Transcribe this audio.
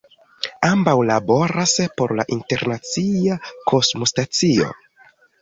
Ambaŭ laboras por la Internacia Kosmostacio.